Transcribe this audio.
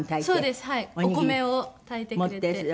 そうです。